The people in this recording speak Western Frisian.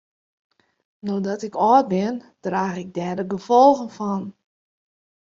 No't ik âld bin draach ik dêr de gefolgen fan.